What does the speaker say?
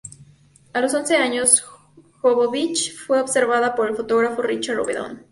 A los once años, Jovovich fue observada por el fotógrafo Richard Avedon.